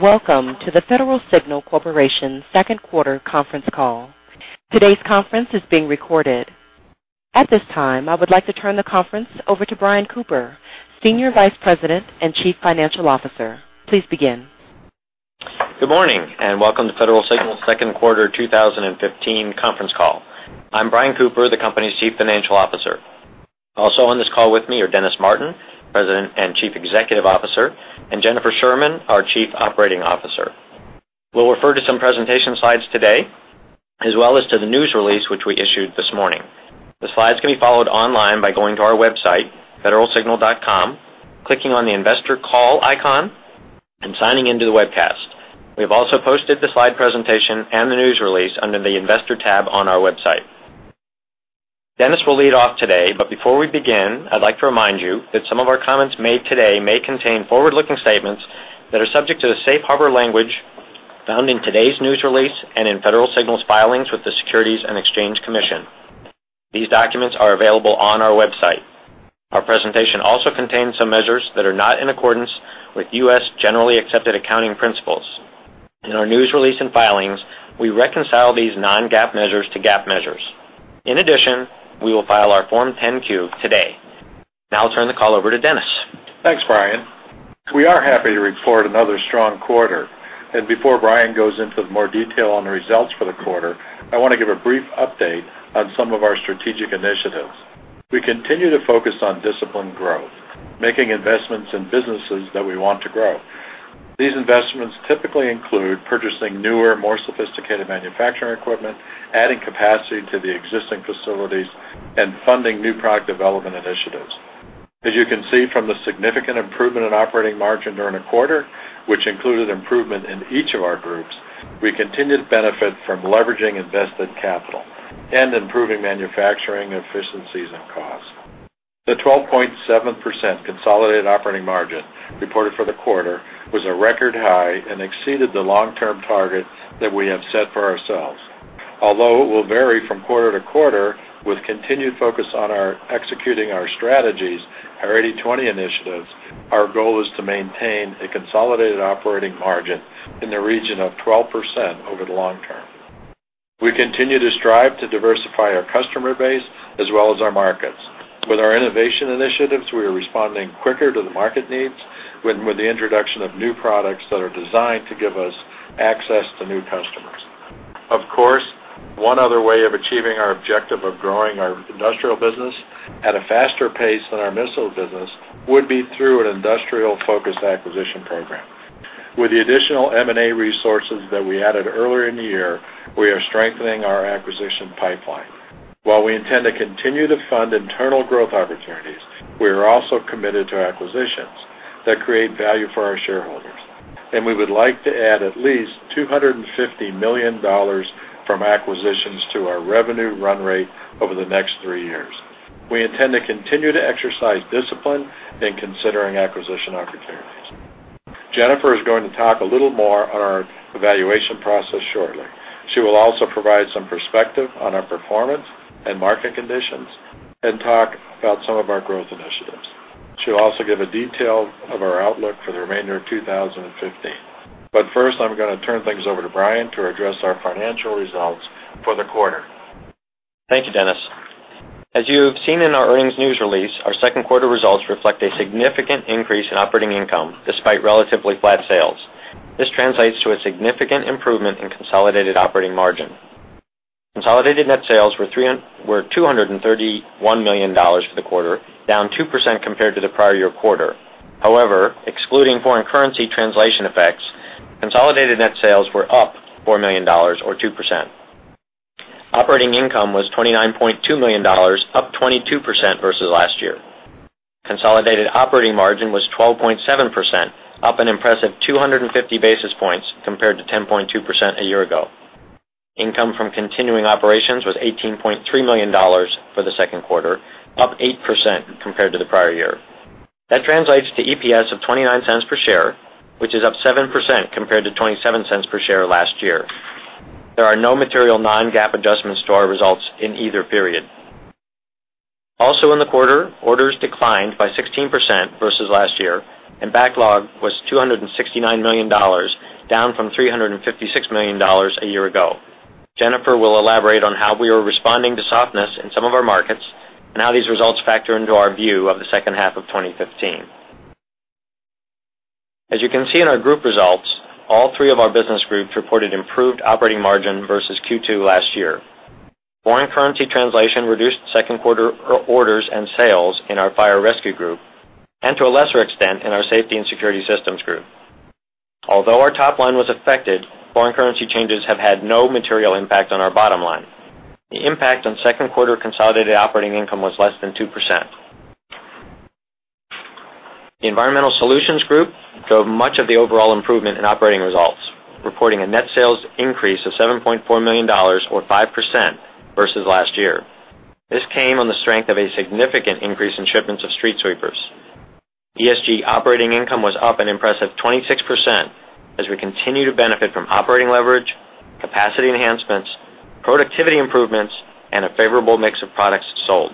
Welcome to the Federal Signal Corporation second quarter conference call. Today's conference is being recorded. At this time, I would like to turn the conference over to Brian Cooper, Senior Vice President and Chief Financial Officer. Please begin. Good morning, and welcome to Federal Signal second quarter 2015 conference call. I'm Brian Cooper, the company's Chief Financial Officer. Also on this call with me are Dennis Martin, President and Chief Executive Officer, and Jennifer Sherman, our Chief Operating Officer. We'll refer to some presentation slides today, as well as to the news release, which we issued this morning. The slides can be followed online by going to our website, federalsignal.com, clicking on the investor call icon, and signing into the webcast. We have also posted the slide presentation and the news release under the investor tab on our website. Dennis will lead off today, but before we begin, I'd like to remind you that some of our comments made today may contain forward-looking statements that are subject to the safe harbor language found in today's news release and in Federal Signal's filings with the Securities and Exchange Commission. These documents are available on our website. Our presentation also contains some measures that are not in accordance with U.S. Generally Accepted Accounting Principles. In our news release and filings, we reconcile these non-GAAP measures to GAAP measures. In addition, we will file our Form 10-Q today. Now I'll turn the call over to Dennis. Thanks, Brian. We are happy to report another strong quarter. Before Brian goes into more detail on the results for the quarter, I want to give a brief update on some of our strategic initiatives. We continue to focus on disciplined growth, making investments in businesses that we want to grow. These investments typically include purchasing newer, more sophisticated manufacturing equipment, adding capacity to the existing facilities, and funding new product development initiatives. As you can see from the significant improvement in operating margin during the quarter, which included improvement in each of our groups, we continue to benefit from leveraging invested capital and improving manufacturing efficiencies and costs. The 12.7% consolidated operating margin reported for the quarter was a record high and exceeded the long-term target that we have set for ourselves. Although it will vary from quarter to quarter, with continued focus on executing our strategies, our 80/20 initiatives, our goal is to maintain a consolidated operating margin in the region of 12% over the long term. We continue to strive to diversify our customer base as well as our markets. With our innovation initiatives, we are responding quicker to the market needs with the introduction of new products that are designed to give us access to new customers. Of course, one other way of achieving our objective of growing our industrial business at a faster pace than our municipal business would be through an industrial-focused acquisition program. With the additional M&A resources that we added earlier in the year, we are strengthening our acquisition pipeline. While we intend to continue to fund internal growth opportunities, we are also committed to acquisitions that create value for our shareholders, and we would like to add at least $250 million from acquisitions to our revenue run rate over the next three years. We intend to continue to exercise discipline in considering acquisition opportunities. Jennifer is going to talk a little more on our evaluation process shortly. She will also provide some perspective on our performance and market conditions and talk about some of our growth initiatives. She'll also give a detail of our outlook for the remainder of 2015. First, I'm going to turn things over to Brian to address our financial results for the quarter. Thank you, Dennis. As you have seen in our earnings news release, our second quarter results reflect a significant increase in operating income despite relatively flat sales. This translates to a significant improvement in consolidated operating margin. Consolidated net sales were $231 million for the quarter, down 2% compared to the prior year quarter. Excluding foreign currency translation effects, consolidated net sales were up $4 million, or 2%. Operating income was $29.2 million, up 22% versus last year. Consolidated operating margin was 12.7%, up an impressive 250 basis points compared to 10.2% a year ago. Income from continuing operations was $18.3 million for the second quarter, up 8% compared to the prior year. That translates to EPS of $0.29 per share, which is up 7% compared to $0.27 per share last year. There are no material non-GAAP adjustments to our results in either period. In the quarter, orders declined by 16% versus last year, and backlog was $269 million, down from $356 million a year ago. Jennifer will elaborate on how we are responding to softness in some of our markets and how these results factor into our view of the second half of 2015. As you can see in our group results, all three of our business groups reported improved operating margin versus Q2 last year. Foreign currency translation reduced second quarter orders and sales in our Fire & Rescue Group, and to a lesser extent, in our Safety & Security Systems Group. Our top line was affected, foreign currency changes have had no material impact on our bottom line. The impact on second quarter consolidated operating income was less than 2%. The Environmental Solutions Group drove much of the overall improvement in operating results, reporting a net sales increase of $7.4 million, or 5%, versus last year. This came on the strength of a significant increase in shipments of street sweepers. ESG operating income was up an impressive 26% as we continue to benefit from operating leverage Favorable mix of products sold.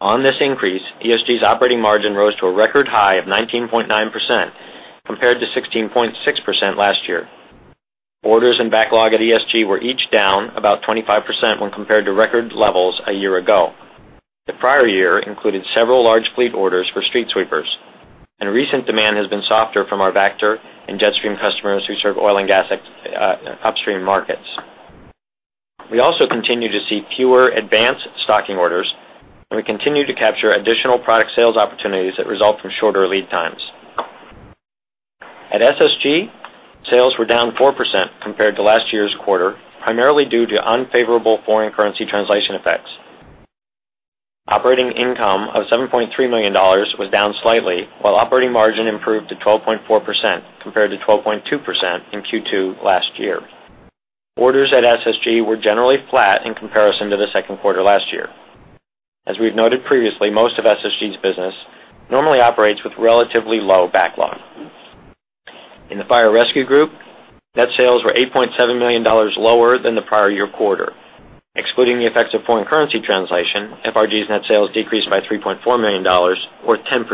On this increase, ESG's operating margin rose to a record high of 19.9%, compared to 16.6% last year. Orders and backlog at ESG were each down about 25% when compared to record levels a year ago. The prior year included several large fleet orders for street sweepers, and recent demand has been softer from our Vactor and Jetstream customers who serve oil and gas upstream markets. We also continue to see fewer advance stocking orders, and we continue to capture additional product sales opportunities that result from shorter lead times. At SSG, sales were down 4% compared to last year's quarter, primarily due to unfavorable foreign currency translation effects. Operating income of $7.3 million was down slightly, while operating margin improved to 12.4%, compared to 12.2% in Q2 last year. Orders at SSG were generally flat in comparison to the second quarter last year. As we've noted previously, most of SSG's business normally operates with relatively low backlog. In the Fire Rescue Group, net sales were $8.7 million lower than the prior year quarter. Excluding the effects of foreign currency translation, FRG's net sales decreased by $3.4 million, or 10%.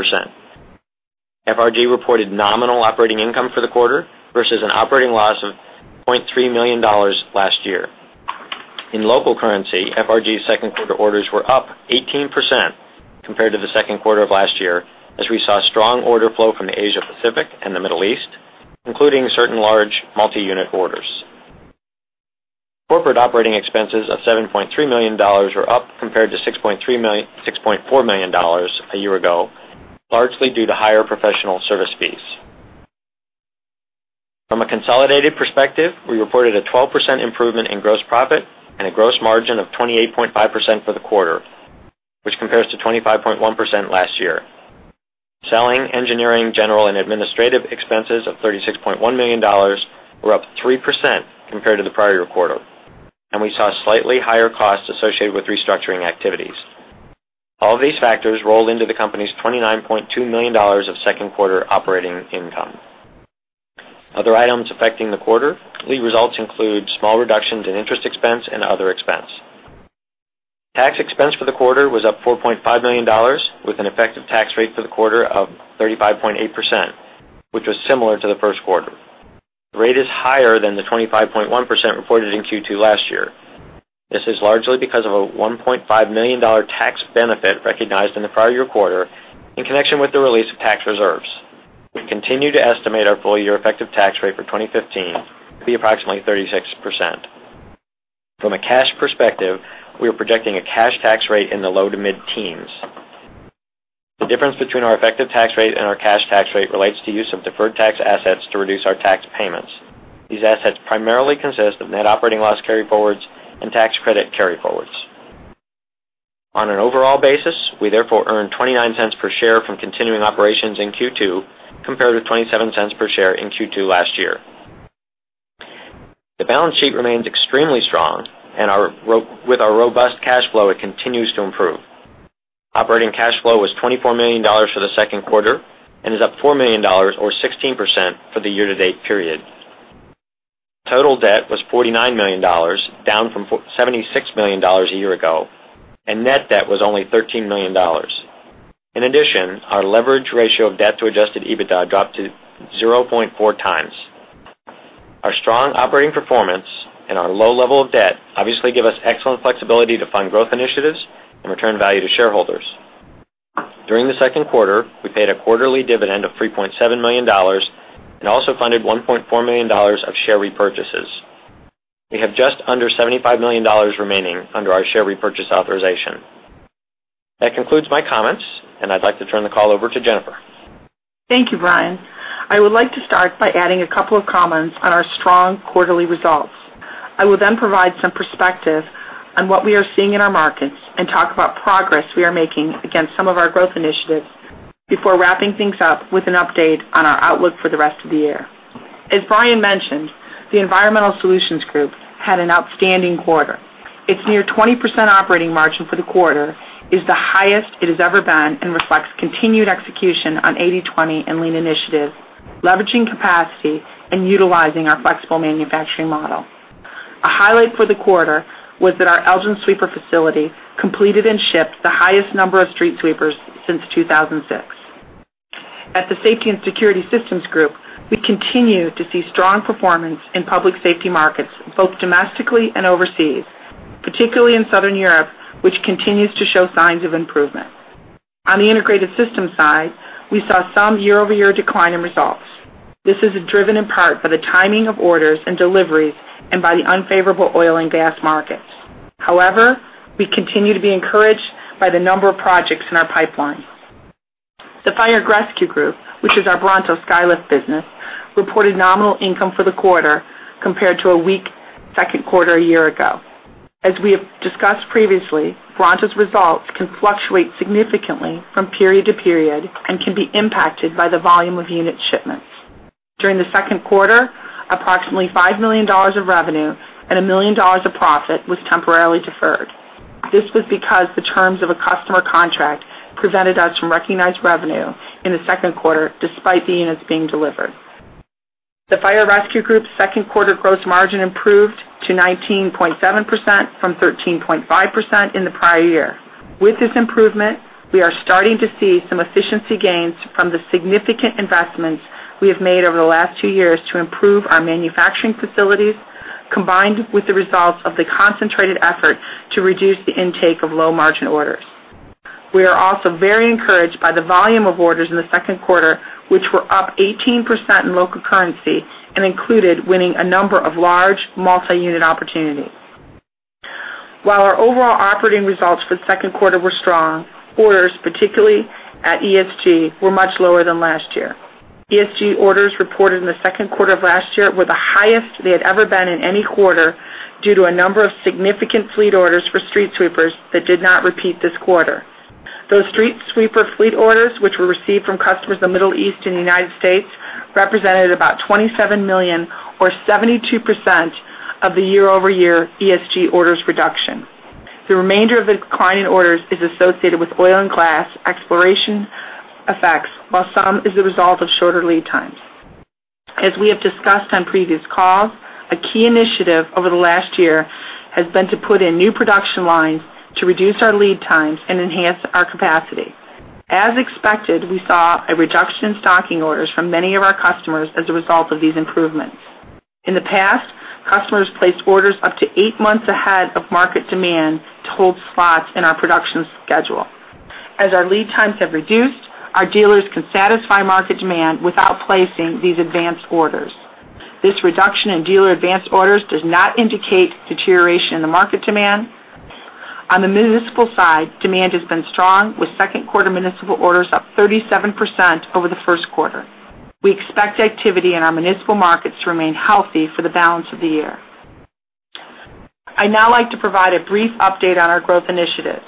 FRG reported nominal operating income for the quarter versus an operating loss of $0.3 million last year. In local currency, FRG's second quarter orders were up 18% compared to the second quarter of last year, as we saw strong order flow from the Asia-Pacific and the Middle East, including certain large multi-unit orders. Corporate operating expenses of $7.3 million were up compared to $6.4 million a year ago, largely due to higher professional service fees. From a consolidated perspective, we reported a 12% improvement in gross profit and a gross margin of 28.5% for the quarter, which compares to 25.1% last year. Selling, engineering, general and administrative expenses of $36.1 million were up 3% compared to the prior year quarter, and we saw slightly higher costs associated with restructuring activities. All these factors rolled into the company's $29.2 million of second quarter operating income. Other items affecting the quarter results include small reductions in interest expense and other expense. Tax expense for the quarter was up $4.5 million, with an effective tax rate for the quarter of 35.8%, which was similar to the first quarter. The rate is higher than the 25.1% reported in Q2 last year. This is largely because of a $1.5 million tax benefit recognized in the prior year quarter in connection with the release of tax reserves. We continue to estimate our full year effective tax rate for 2015 to be approximately 36%. From a cash perspective, we are projecting a cash tax rate in the low to mid-teens. The difference between our effective tax rate and our cash tax rate relates to use of deferred tax assets to reduce our tax payments. These assets primarily consist of net operating loss carryforwards and tax credit carryforwards. On an overall basis, we therefore earned $0.29 per share from continuing operations in Q2, compared with $0.27 per share in Q2 last year. The balance sheet remains extremely strong, and with our robust cash flow, it continues to improve. Operating cash flow was $24 million for the second quarter and is up $4 million, or 16%, for the year-to-date period. Total debt was $49 million, down from $76 million a year ago, and net debt was only $13 million. In addition, our leverage ratio of debt to adjusted EBITDA dropped to 0.4 times. Our strong operating performance and our low level of debt obviously give us excellent flexibility to fund growth initiatives and return value to shareholders. During the second quarter, we paid a quarterly dividend of $3.7 million and also funded $1.4 million of share repurchases. We have just under $75 million remaining under our share repurchase authorization. That concludes my comments, and I'd like to turn the call over to Jennifer. Thank you, Brian. I would like to start by adding a couple of comments on our strong quarterly results. I will then provide some perspective on what we are seeing in our markets and talk about progress we are making against some of our growth initiatives before wrapping things up with an update on our outlook for the rest of the year. As Brian mentioned, the Environmental Solutions Group had an outstanding quarter. Its near 20% operating margin for the quarter is the highest it has ever been and reflects continued execution on 80/20 and lean initiatives, leveraging capacity, and utilizing our flexible manufacturing model. A highlight for the quarter was that our Elgin sweeper facility completed and shipped the highest number of street sweepers since 2006. At the Safety and Security Systems Group, we continue to see strong performance in public safety markets, both domestically and overseas, particularly in Southern Europe, which continues to show signs of improvement. On the integrated system side, we saw some year-over-year decline in results. This is driven in part by the timing of orders and deliveries and by the unfavorable oil and gas markets. However, we continue to be encouraged by the number of projects in our pipeline. The Fire Rescue Group, which is our Bronto Skylift business, reported nominal income for the quarter compared to a weak second quarter a year ago. As we have discussed previously, Bronto's results can fluctuate significantly from period to period and can be impacted by the volume of unit shipments. During the second quarter, approximately $5 million of revenue and $1 million of profit was temporarily deferred. This was because the terms of a customer contract prevented us from recognized revenue in the second quarter, despite the units being delivered. The Fire & Rescue Group's second quarter gross margin improved to 19.7% from 13.5% in the prior year. With this improvement, we are starting to see some efficiency gains from the significant investments we have made over the last two years to improve our manufacturing facilities, combined with the results of the concentrated effort to reduce the intake of low-margin orders. We are also very encouraged by the volume of orders in the second quarter, which were up 18% in local currency and included winning a number of large multi-unit opportunities. While our overall operating results for the second quarter were strong, orders, particularly at ESG, were much lower than last year. ESG orders reported in the second quarter of last year were the highest they had ever been in any quarter due to a number of significant fleet orders for street sweepers that did not repeat this quarter. Those street sweeper fleet orders, which were received from customers in the Middle East and the U.S., represented about $27 million or 72% of the year-over-year ESG orders reduction. The remainder of the decline in orders is associated with oil and gas exploration effects, while some is a result of shorter lead times. As we have discussed on previous calls, a key initiative over the last year has been to put in new production lines to reduce our lead times and enhance our capacity. As expected, we saw a reduction in stocking orders from many of our customers as a result of these improvements. In the past, customers placed orders up to eight months ahead of market demand to hold slots in our production schedule. As our lead times have reduced, our dealers can satisfy market demand without placing these advanced orders. This reduction in dealer advanced orders does not indicate deterioration in the market demand. On the municipal side, demand has been strong, with second-quarter municipal orders up 37% over the first quarter. We expect activity in our municipal markets to remain healthy for the balance of the year. I'd now like to provide a brief update on our growth initiatives.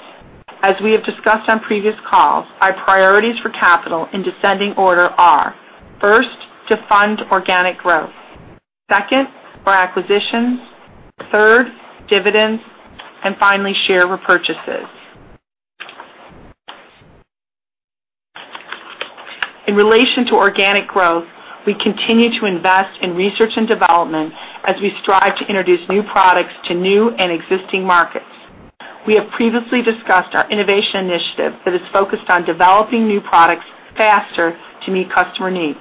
As we have discussed on previous calls, our priorities for capital in descending order are, first, to fund organic growth, second, for acquisitions, third, dividends, and finally, share repurchases. In relation to organic growth, we continue to invest in research and development as we strive to introduce new products to new and existing markets. We have previously discussed our innovation initiative that is focused on developing new products faster to meet customer needs.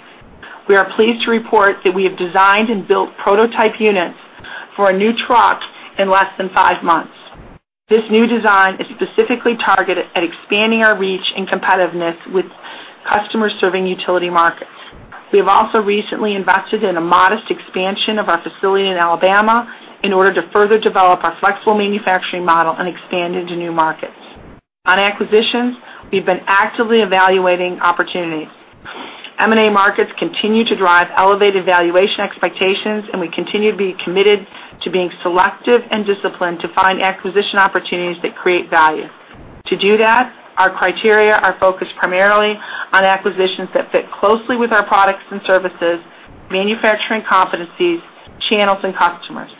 We are pleased to report that we have designed and built prototype units for a new truck in less than five months. This new design is specifically targeted at expanding our reach and competitiveness with customers serving utility markets. We have also recently invested in a modest expansion of our facility in Alabama in order to further develop our flexible manufacturing model and expand into new markets. On acquisitions, we've been actively evaluating opportunities. M&A markets continue to drive elevated valuation expectations, and we continue to be committed to being selective and disciplined to find acquisition opportunities that create value. To do that, our criteria are focused primarily on acquisitions that fit closely with our products and services, manufacturing competencies, channels, and customers.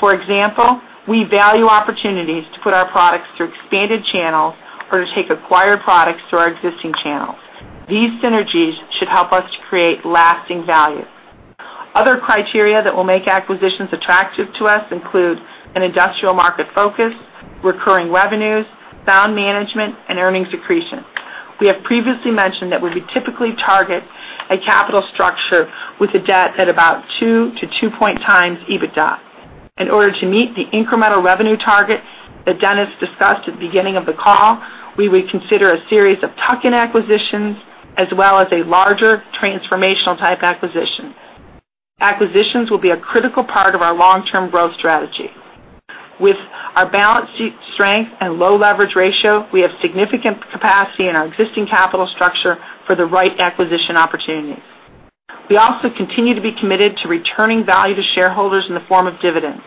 For example, we value opportunities to put our products through expanded channels or to take acquired products through our existing channels. These synergies should help us to create lasting value. Other criteria that will make acquisitions attractive to us include an industrial market focus, recurring revenues, sound management, and earnings accretion. We have previously mentioned that we would typically target a capital structure with a debt at about two to two-and-a-half times EBITDA. In order to meet the incremental revenue targets that Dennis discussed at the beginning of the call, we would consider a series of tuck-in acquisitions as well as a larger transformational-type acquisition. Acquisitions will be a critical part of our long-term growth strategy. With our balance sheet strength and low leverage ratio, we have significant capacity in our existing capital structure for the right acquisition opportunities. We also continue to be committed to returning value to shareholders in the form of dividends.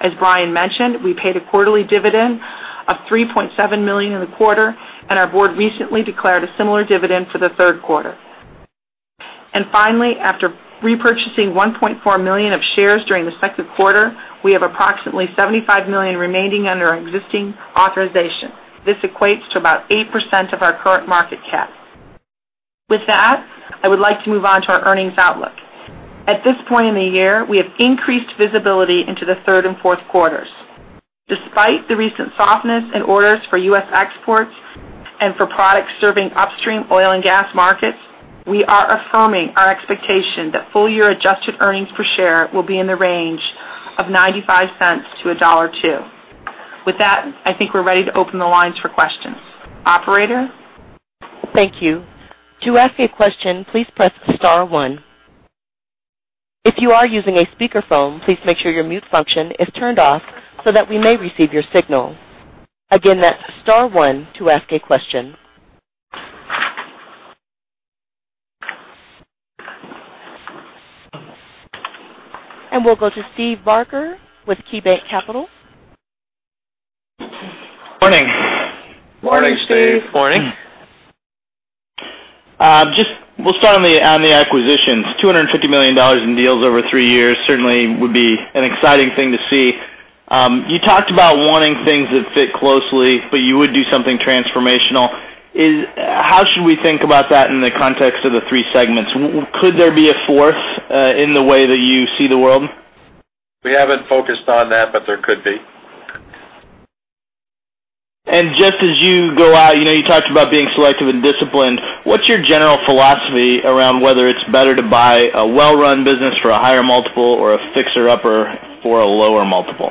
As Brian mentioned, we paid a quarterly dividend of $3.7 million in the quarter, and our board recently declared a similar dividend for the third quarter. Finally, after repurchasing $1.4 million of shares during the second quarter, we have approximately $75 million remaining under our existing authorization. This equates to about 8% of our current market cap. With that, I would like to move on to our earnings outlook. At this point in the year, we have increased visibility into the third and fourth quarters. Despite the recent softness in orders for U.S. exports and for products serving upstream oil and gas markets, we are affirming our expectation that full-year adjusted earnings per share will be in the range of $0.95-$1.02. With that, I think we're ready to open the lines for questions. Operator? Thank you. To ask a question, please press star one. If you are using a speakerphone, please make sure your mute function is turned off so that we may receive your signal. Again, that's star one to ask a question. We'll go to Steve Barger with KeyBanc Capital. Morning. Morning, Steve. Morning. We will start on the acquisitions. $250 million in deals over three years certainly would be an exciting thing to see. You talked about wanting things that fit closely, but you would do something transformational. How should we think about that in the context of the three segments? Could there be a fourth in the way that you see the world? We have not focused on that, but there could be. As you go out, you talked about being selective and disciplined. What is your general philosophy around whether it is better to buy a well-run business for a higher multiple or a fixer-upper for a lower multiple?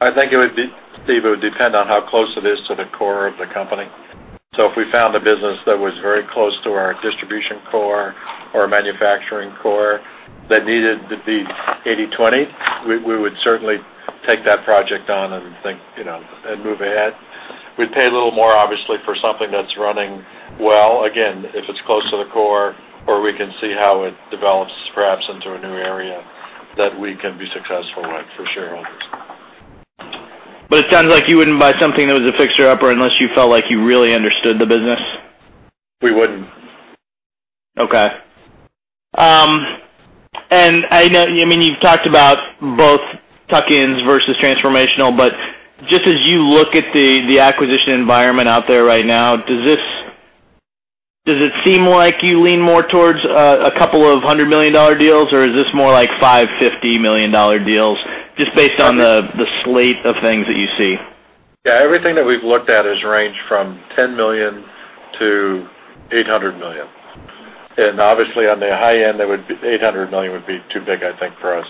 I think, Steve, it would depend on how close it is to the core of the company. If we found a business that was very close to our distribution core or manufacturing core that needed to be 80/20, we would certainly take that project on and move ahead. We'd pay a little more, obviously, for something that's running well. Again, if it's close to the core or we can see how it develops, perhaps into a new area that we can be successful with for shareholders. It sounds like you wouldn't buy something that was a fixer-upper unless you felt like you really understood the business. We wouldn't. Okay. I know, you've talked about both tuck-ins versus transformational, just as you look at the acquisition environment out there right now, does it seem like you lean more towards a couple of hundred million dollar deals, or is this more like five $50 million deals just based on the slate of things that you see? Yeah. Everything that we've looked at is ranged from $10 million-$800 million. Obviously, on the high end, $800 million would be too big, I think, for us.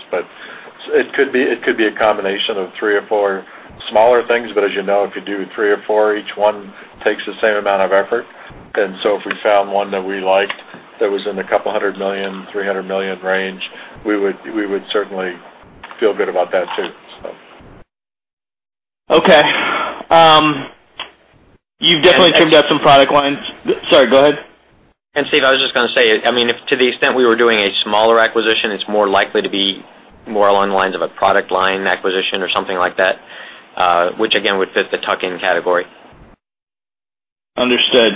It could be a combination of three or four smaller things, but as you know, if you do three or four, each one takes the same amount of effort. If we found one that we liked that was in the $couple hundred million, $300 million range, we would certainly feel good about that too. Okay. You've definitely trimmed out some product lines. Sorry, go ahead. Steve, I was just going to say, to the extent we were doing a smaller acquisition, it's more likely to be more along the lines of a product line acquisition or something like that, which again, would fit the tuck-in category. Understood.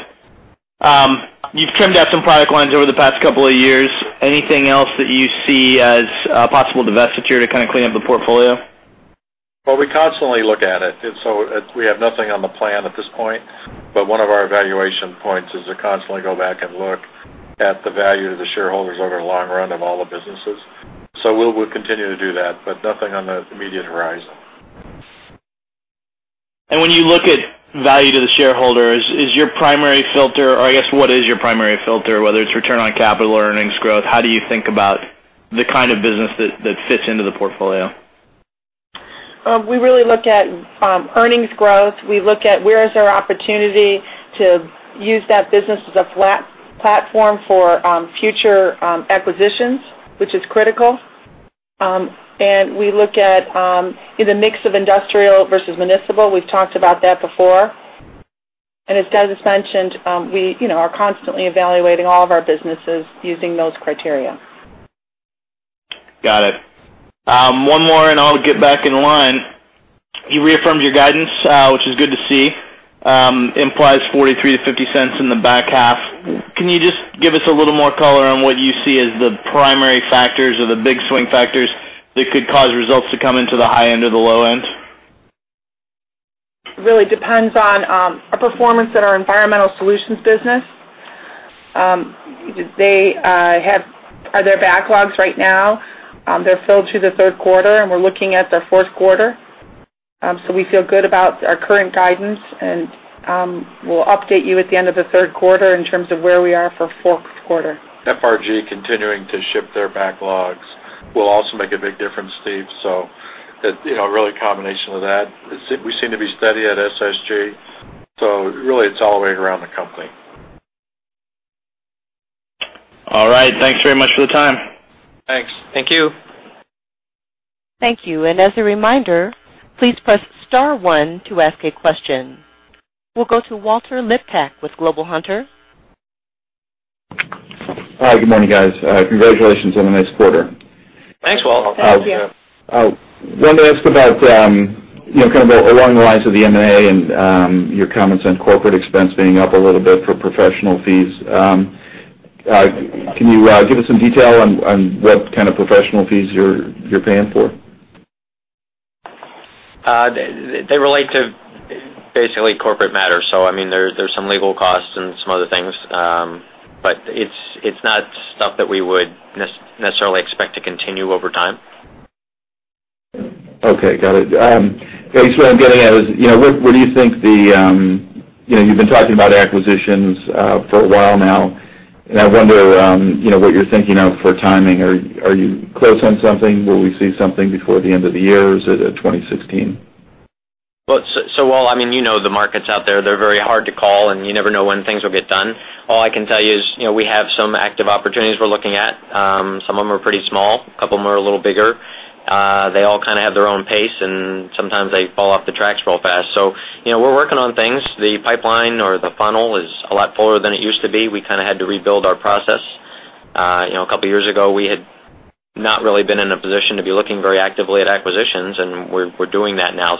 You've trimmed out some product lines over the past couple of years. Anything else that you see as a possible divestiture to kind of clean up the portfolio? Well, we constantly look at it. We have nothing on the plan at this point, but one of our evaluation points is to constantly go back and look at the value to the shareholders over the long run of all the businesses. We'll continue to do that, but nothing on the immediate horizon. When you look at value to the shareholders, is your primary filter, or I guess, what is your primary filter, whether it's return on capital or earnings growth? How do you think about the kind of business that fits into the portfolio? We really look at earnings growth. We look at where is there opportunity to use that business as a platform for future acquisitions, which is critical. We look at the mix of industrial versus municipal. We've talked about that before. As Dennis has mentioned, we are constantly evaluating all of our businesses using those criteria. Got it. One more. I'll get back in line. You reaffirmed your guidance, which is good to see. Implies $0.43 to $0.50 in the back half. Can you just give us a little more color on what you see as the primary factors or the big swing factors that could cause results to come into the high end or the low end? Really depends on our performance at our environmental solutions business. Their backlogs right now, they're filled through the third quarter, and we're looking at the fourth quarter. We feel good about our current guidance, and we'll update you at the end of the third quarter in terms of where we are for fourth quarter. FRG continuing to ship their backlogs will also make a big difference, Steve. Really a combination of that. We seem to be steady at SSG. Really it's all the way around the company. All right. Thanks very much for the time. Thanks. Thank you. Thank you. As a reminder, please press star one to ask a question. We'll go to Walter Liptak with Global Hunter Securities. Hi, good morning, guys. Congratulations on a nice quarter. Thanks, Walt. Thank you. I wanted to ask about, kind of along the lines of the M&A and your comments on corporate expense being up a little bit for professional fees. Can you give us some detail on what kind of professional fees you're paying for? They relate to basically corporate matters. There's some legal costs and some other things. It's not stuff that we would necessarily expect to continue over time. Okay. Got it. I guess what I'm getting at is, you've been talking about acquisitions for a while now, and I wonder what you're thinking of for timing. Are you close on something? Will we see something before the end of the year? Is it 2016? Walt, you know the markets out there. They're very hard to call, and you never know when things will get done. All I can tell you is, we have some active opportunities we're looking at. Some of them are pretty small. A couple of them are a little bigger. They all kind of have their own pace, and sometimes they fall off the tracks real fast. We're working on things. The pipeline or the funnel is a lot fuller than it used to be. We kind of had to rebuild our process. A couple of years ago, we had not really been in a position to be looking very actively at acquisitions, and we're doing that now.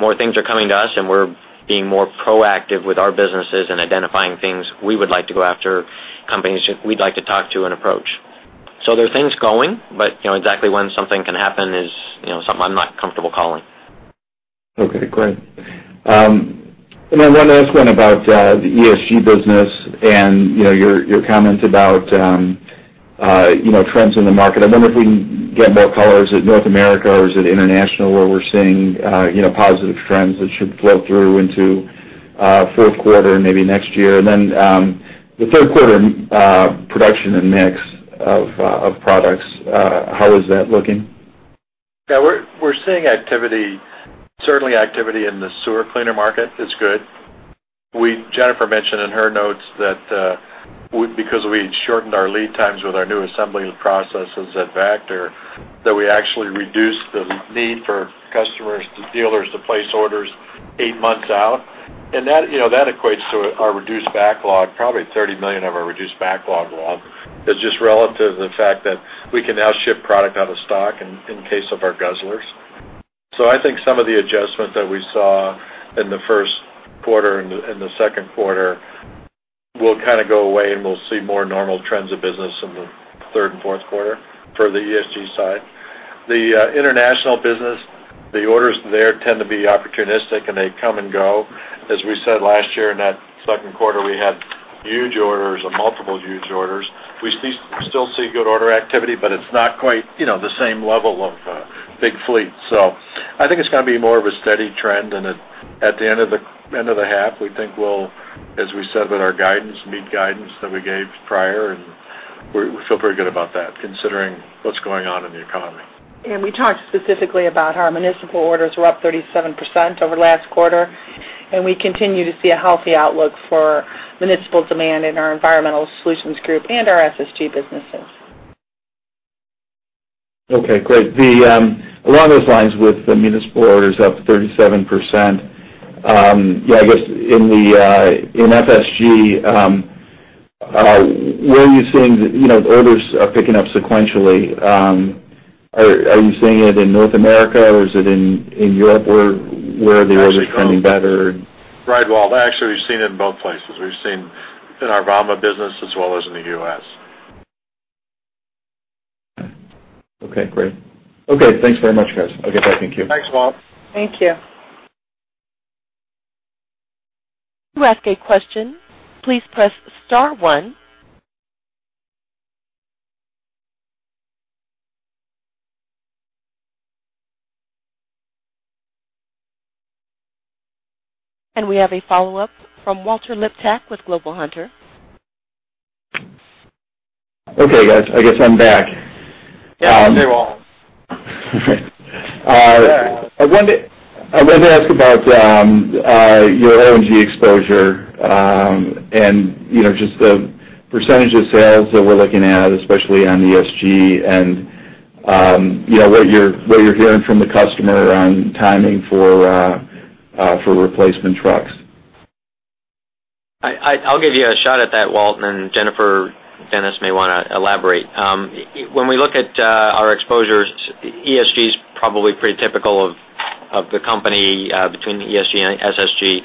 More things are coming to us, we're being more proactive with our businesses and identifying things we would like to go after, companies we'd like to talk to and approach. There are things going, but exactly when something can happen is something I'm not comfortable calling. Okay, great. One last one about the ESG business and your comment about trends in the market. I wonder if we can get more color. Is it North America or is it international where we're seeing positive trends that should flow through into fourth quarter and maybe next year? The third quarter production and mix of products, how is that looking? We're seeing certainly activity in the sewer cleaner market is good. Jennifer mentioned in her notes that because we had shortened our lead times with our new assembly processes at Vactor, that we actually reduced the need for customers, the dealers to place orders 8 months out. That equates to our reduced backlog. Probably $30 million of our reduced backlog loss is just relative to the fact that we can now ship product out of stock in case of our Guzzlers. I think some of the adjustment that we saw in the first quarter and the second quarter will kind of go away, and we'll see more normal trends of business in the third and fourth quarter for the ESG side. The international business, the orders there tend to be opportunistic, and they come and go. As we said last year in that second quarter, we had huge orders or multiple huge orders. We still see good order activity, but it's not quite the same level of big fleet. I think it's going to be more of a steady trend, and at the end of the half, we think we'll, as we said with our guidance, meet guidance that we gave prior, and we feel pretty good about that considering what's going on in the economy. We talked specifically about our municipal orders were up 37% over last quarter, and we continue to see a healthy outlook for municipal demand in our Environmental Solutions Group and our SSG businesses. Okay, great. Along those lines with the municipal orders up 37%, yeah, I guess in ESG, where are you seeing the orders are picking up sequentially? Are you seeing it in North America, or is it in Europe? Where are the orders coming back? Right, Walt. Actually, we've seen it in both places. We've seen in our Vama business as well as in the U.S. Okay, great. Okay, thanks very much, guys. Okay, bye. Thank you. Thanks, Walt. Thank you. To ask a question, please press star one. We have a follow-up from Walter Liptak with Global Hunter. Okay, guys. I guess I'm back. Yeah. Hey, Walt. I wanted to ask about your O&G exposure and just the % of sales that we're looking at, especially on ESG and what you're hearing from the customer on timing for replacement trucks. I'll give you a shot at that, Walt. Then Jennifer, Dennis may want to elaborate. When we look at our exposures, ESG is probably pretty typical of the company between ESG and SSG.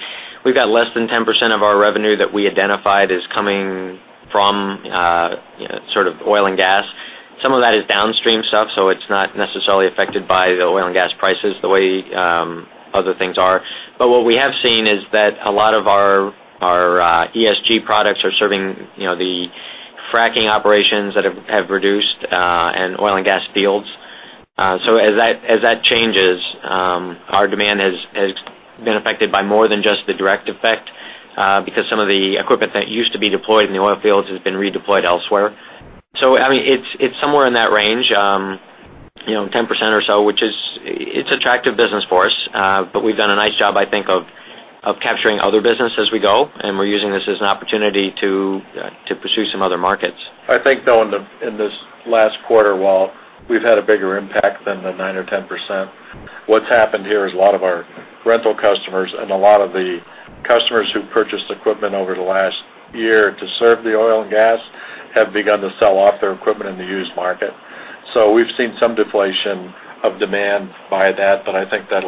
We've got less than 10% of our revenue that we identified is coming from sort of oil and gas. Some of that is downstream stuff, so it's not necessarily affected by the oil and gas prices the way other things are. What we have seen is that a lot of our ESG products are serving the fracking operations that have reduced and oil and gas fields. As that changes, our demand has been affected by more than just the direct effect because some of the equipment that used to be deployed in the oil fields has been redeployed elsewhere. It's somewhere in that range, 10% or so, which is attractive business for us. We've done a nice job, I think, of capturing other business as we go, and we're using this as an opportunity to pursue some other markets. I think, though, in this last quarter, Walt, we've had a bigger impact than the 9% or 10%. What's happened here is a lot of our rental customers and a lot of the customers who purchased equipment over the last year to serve the oil and gas have begun to sell off their equipment in the used market. We've seen some deflation of demand by that, but I think that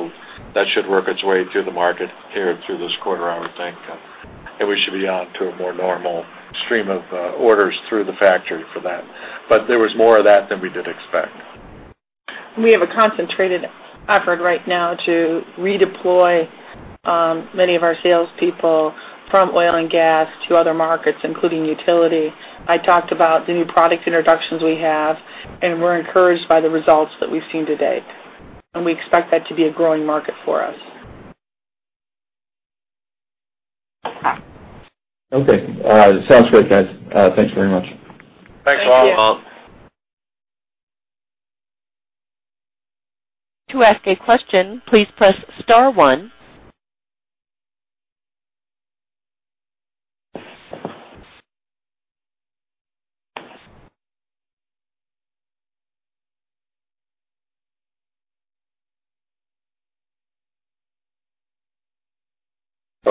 should work its way through the market here through this quarter, I would think, and we should be on to a more normal stream of orders through the factory for that. There was more of that than we did expect. We have a concentrated effort right now to redeploy many of our salespeople from oil and gas to other markets, including utility. I talked about the new product introductions we have. We're encouraged by the results that we've seen to date, and we expect that to be a growing market for us. Okay. Sounds great, guys. Thanks very much. Thanks a lot, Walt. Thank you. To ask a question, please press star one.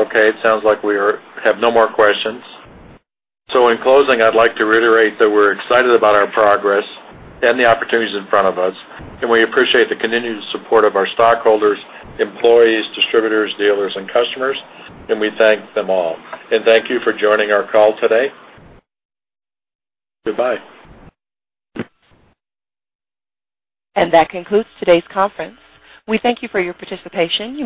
Okay, it sounds like we have no more questions. In closing, I'd like to reiterate that we're excited about our progress and the opportunities in front of us, and we appreciate the continued support of our stockholders, employees, distributors, dealers, and customers, and we thank them all. Thank you for joining our call today. Goodbye. That concludes today's conference. We thank you for your participation.